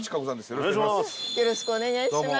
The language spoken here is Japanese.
よろしくお願いします。